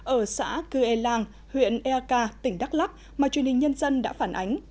ở xã cư ê làng huyện erca tỉnh đắk lắk mà truyền hình nhân dân đã phản ánh